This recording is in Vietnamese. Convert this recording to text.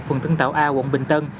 phần tân tạo a quận bình tân